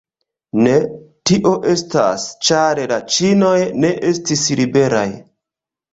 Ne, tio estas ĉar la ĉinoj ne estis liberaj.